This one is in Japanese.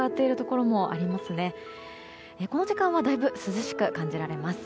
この時間は、だいぶ涼しく感じられます。